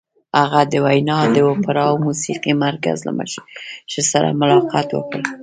هغې د ویانا د اوپرا موسیقۍ مرکز له مشر سره ملاقات وکړ